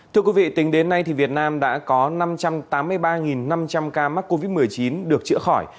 thưa quý vị tính đến nay việt nam đã có năm trăm tám mươi ba năm trăm linh ca mắc covid một mươi chín được chữa khỏi